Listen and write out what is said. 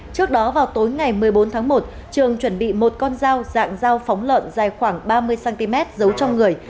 trước đó vào tối ngày một mươi bốn tháng một trường chuẩn bị một con dao dạng dao phóng lợn dài khoảng ba mươi cm giấu trong người